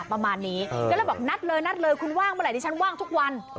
ประมาณนี้แล้วบอกนัดเลยคุณว่างเมื่อไหร่ดิฉันว่างทุกวัน